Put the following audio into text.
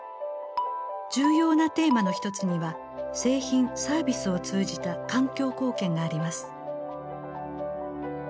重要なテーマの一つには「製品・サービスを通じた環境貢献」があります。